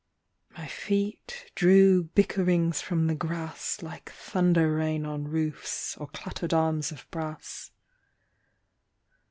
My feet Drew bickerings from the grass Like thunder rain on roofs, Or clattered arms of brass.